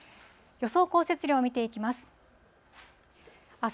予想降雪量を見ていきます。